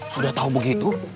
sudah tahu begitu